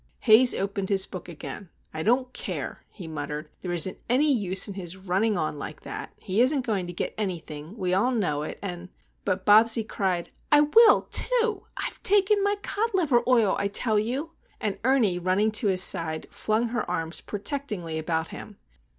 Haze opened his book again. "I don't care," he muttered. "There isn't any use in his running on like that. He isn't going to get anything; we all know it, and——" But Bobsie cried, "I will, too! I've taken my cod liver oil, I tell you!" And Ernie, running to his side, flung her arms protectingly about him.